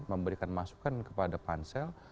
memberikan masukan kepada pansel